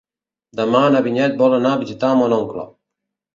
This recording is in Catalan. Demà na Vinyet vol anar a visitar mon oncle.